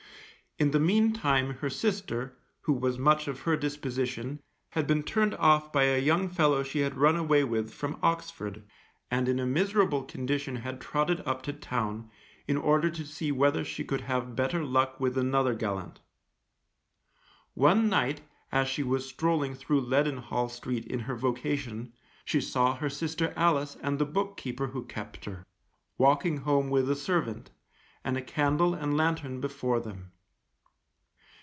In the meantime her sister, who was much of her disposition, had been turned off by a young fellow she had run away with from Oxford, and in a miserable condition had trotted up to town, in order to see whether she could have better luck with another gallant. One night, as she was strolling through Leadenhall Street in her vocation, she saw her sister Alice and the book keeper who kept her, walking home with a servant, and a candle and lanthorn before them.